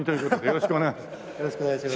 よろしくお願いします。